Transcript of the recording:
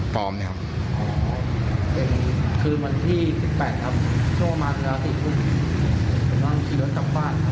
สอนข้าวมันสาวแล้วใส่คาราวาสอ๋อแต่งชุดเป็นคาราวาส